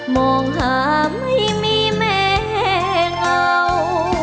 มองหาไม่มีแม่เหงา